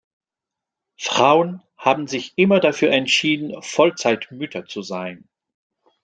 Frauen haben sich immer dafür entschieden, Vollzeitmütter zu sein.